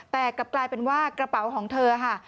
แต่กลับกลายเป็นว่ากระเป๋าของเธอค่ะ